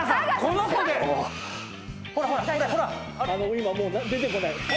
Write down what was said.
今もう出てこない。